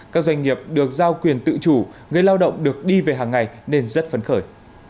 các doanh nghiệp được giao quyền tự chủ người lao động được đi về hàng ngày nên rất phấn khởi